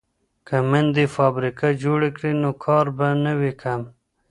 که میندې فابریکه جوړ کړي نو کار به نه وي کم.